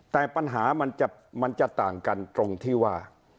แต่ปัญหามันจะต่างกันตรงที่ว่า